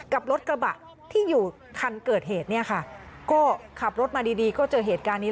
กับรถกระบะที่อยู่คันเกิดเหตุเนี่ยค่ะก็ขับรถมาดีดีก็เจอเหตุการณ์นี้